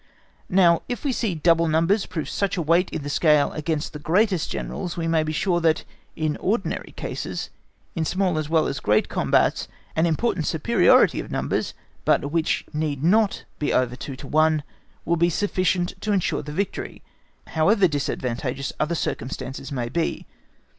Now if we see double numbers prove such a weight in the scale against the greatest Generals, we may be sure, that in ordinary cases, in small as well as great combats, an important superiority of numbers, but which need not be over two to one, will be sufficient to ensure the victory, however disadvantageous other circumstances may be.